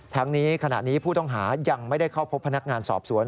ทั้งนี้ขณะนี้ผู้ต้องหายังไม่ได้เข้าพบพนักงานสอบสวน